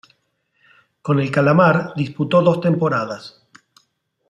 Con el "calamar" disputó dos temporadas.